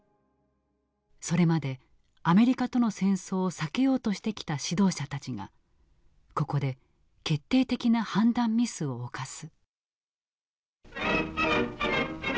それまでアメリカとの戦争を避けようとしてきた指導者たちがここで決定的な判断ミスを犯す。